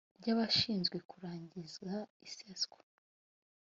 ry abashinzwe kurangiza iseswa